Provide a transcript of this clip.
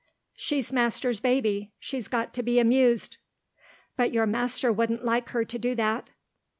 "She's master's baby, she's got to be amused." "But your master wouldn't like her to do that."